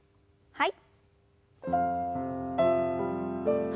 はい。